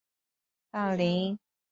清初翰林。